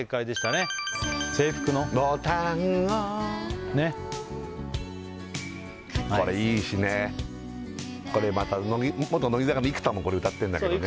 ねっボタンをこれいいしねこれまた元乃木坂の生田もこれ歌ってるんだけどね